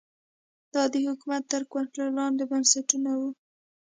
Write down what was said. دا د حکومت تر کنټرول لاندې بنسټونه وو